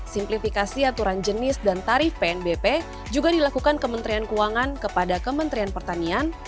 simplifikasi aturan jenis dan tarif pnbp juga dilakukan kementerian keuangan kepada kementerian pertanian